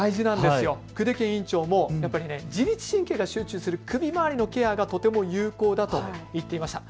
久手堅院長も自律神経が集中する首回りのケアがとても有効だと言っていました。